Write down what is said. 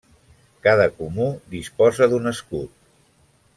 Cada comú disposa d'un escut.